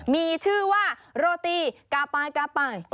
มีชื่อว่าโรตีกาปายกาปาย